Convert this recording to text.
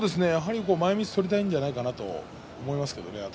前みつを取りたいのではないかと思いますね。